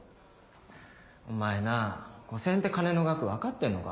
お前な５０００円って金の額分かってんのか？